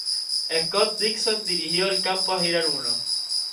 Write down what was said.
Scott Dixon dirigió el campo a girar uno.